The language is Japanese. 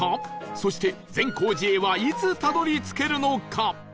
そして善光寺へはいつたどり着けるのか？